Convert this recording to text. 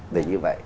để như vậy